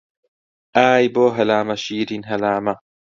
ئای بۆ هەلامە شیرین هەلامە